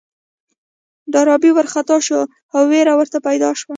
ډاربي وارخطا شو او وېره ورته پيدا شوه.